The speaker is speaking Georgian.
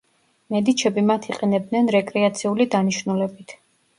მედიჩები მათ იყენებდნენ რეკრეაციული დანიშნულებით.